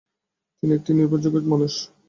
তিনি একটি নির্ভরযোগ্য মানুষ।